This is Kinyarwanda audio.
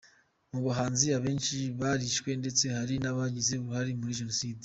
Mu bahanzi abenshi barishwe ndetse hari n’abagize uruhare muri Jenoside.